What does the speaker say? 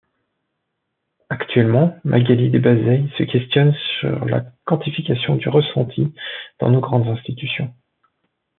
Actuellement, Magali Desbazeille se questionne sur la quantification du ressenti dans nos grandes institutions.